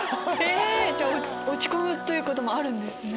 落ち込むこともあるんですね。